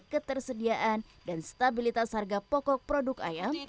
ketersediaan dan stabilitas harga pokok produk ayam